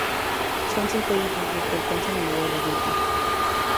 Son cinco hijos los que alcanzan la edad adulta.